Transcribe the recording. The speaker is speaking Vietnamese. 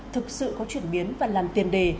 thực sự có chuyển biến và làm tiền đề